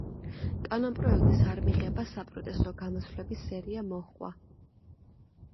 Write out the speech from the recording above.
კანონპროექტის არმიღებას საპროტესტო გამოსვლების სერია მოჰყვა.